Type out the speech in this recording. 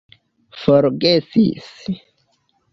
forgesis